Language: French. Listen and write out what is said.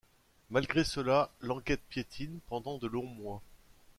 Malgré cela, l'enquête piétine pendant de longs mois.